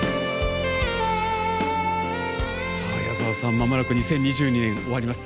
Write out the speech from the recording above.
まもなく２０２２年、終わります。